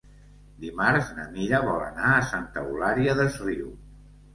Dimarts na Mira vol anar a Santa Eulària des Riu.